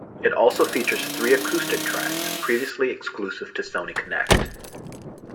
It also features three acoustic tracks, previously exclusive to Sony Connect.